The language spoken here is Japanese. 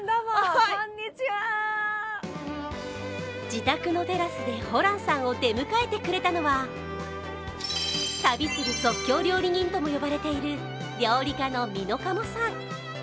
自宅のテラスでホランさんを出迎えてくれたのは旅する即興料理人とも呼ばれている料理家のｍｉｎｏｋａｍｏさん。